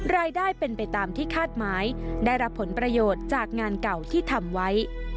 รายได้เป็นไปตามที่คาดหมายได้รับผลประโยชน์จากงานเก่าที่ทำไว้